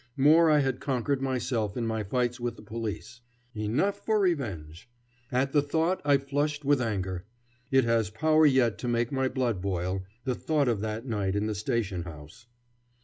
More I had conquered myself in my fights with the police. Enough for revenge! At the thought I flushed with anger. It has power yet to make my blood boil, the thought of that night in the station house.